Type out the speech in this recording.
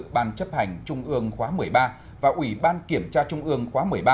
ban chấp hành trung ương khóa một mươi ba và ủy ban kiểm tra trung ương khóa một mươi ba